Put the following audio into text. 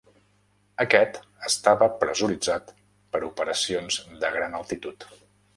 Aquest estava pressuritzat per operacions de gran altitud.